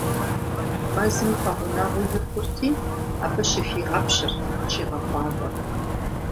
Мэзым пэгъунэгъуу ихурти, абы щыхигъэпщырт, щигъэхъуакӏуэрт.